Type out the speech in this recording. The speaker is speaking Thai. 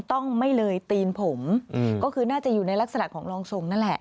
ต้องไม่เลยตีนผมก็คือน่าจะอยู่ในลักษณะของรองทรงนั่นแหละ